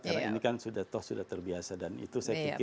karena ini kan sudah toh sudah terbiasa dan itu saya pikir